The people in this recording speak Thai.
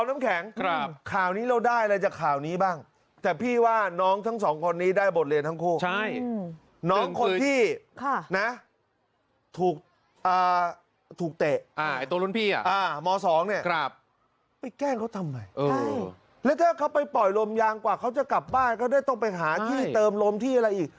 ไม่ปล่อยลมยางกว่าเขาจะกลับบ้านก็ได้ต้องไปหาที่เติมลมที่อะไรอีก